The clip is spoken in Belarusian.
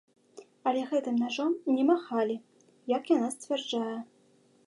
Але гэтым нажом не махалі, як яна сцвярджае.